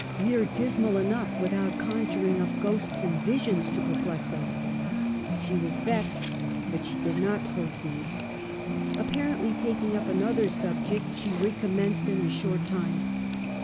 ' We're dismal enough without conjuring up ghosts and visions to perplex us ...'" She was vexed, but she did not proceed. Ap parently taking up another subject, she recom menced in a short time.